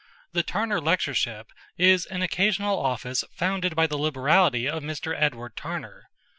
The Tarner lectureship is an occasional office founded by the liberality of Mr Edward Tarner.